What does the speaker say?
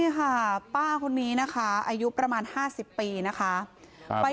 นี่ค่ะป้าคนนี้นะคะอายุประมาณ๕๐ปีนะคะ